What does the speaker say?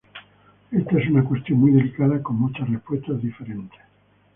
Esta es una cuestión muy delicada con muchas respuestas diferentes.